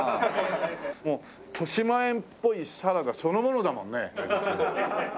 もう豊島園っぽいサラダそのものだもんね。